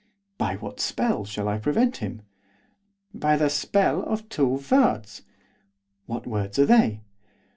'By what spell shall I prevent him?' 'By the spell of two words.' 'What words are they?